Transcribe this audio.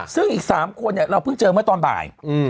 ซึ่งอีก๓คนเราเพิ่งเจอเมื่อตอนบ่าย